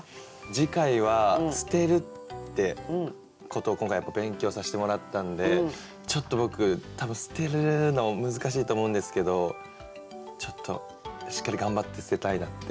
次回は捨てるってことを今回勉強さしてもらったんでちょっと僕多分捨てるの難しいと思うんですけどちょっとしっかり頑張って捨てたいなって。